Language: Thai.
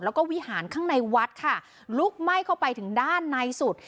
แล้วก็วิหารข้างในวัดค่ะลุกไหม้เข้าไปถึงด้านในสุด